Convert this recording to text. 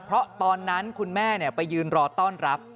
เพราะตอนนั้นคุณแม่ไปยืนรอต้อนรับ